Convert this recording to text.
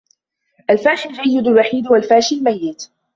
الفاشي الجيد الوحيد هو الفاشي الميت.